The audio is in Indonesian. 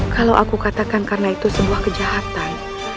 kalau aku katakan karena itu sebuah kejahatan